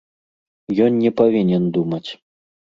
Ён не павінен думаць.